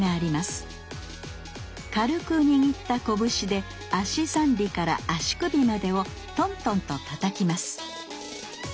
軽く握った拳で足三里から足首までをトントンとたたきます